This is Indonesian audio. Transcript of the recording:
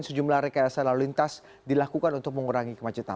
sejumlah rekayasa lalu lintas dilakukan untuk mengurangi kemacetan